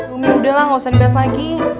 umi udahlah gak usah dibias lagi